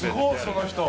その人。